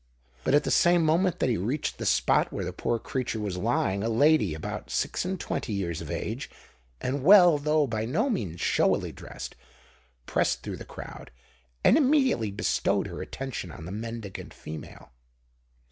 But at the same moment that he reached the spot where the poor creature was lying, a lady, about six and twenty years of age, and well though by no means showily dressed, pressed through the crowd, and immediately bestowed her attention on the mendicant female.